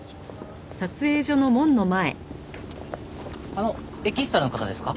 あのエキストラの方ですか？